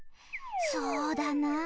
そうだなぁ。